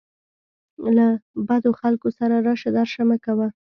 له بدو خلکو سره راشه درشه مه کوه.